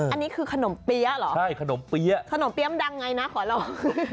อันนี้คือขนมเปี๊ยะเหรอใช่ขนมเปี๊ยะขนมเปี๊ยะมันดังไงนะขอลอง